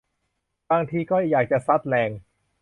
บางทีก็อยากจะซัดแรง